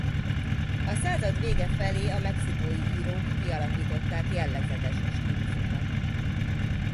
A század vége felé a mexikói írók kialakították jellegzetes stílusukat.